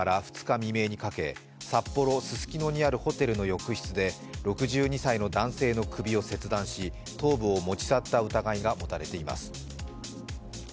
未明にかけ、札幌・ススキノにあるホテルの浴室で６２歳の男性の首を切断し頭部を持ち去った疑いが持たれています。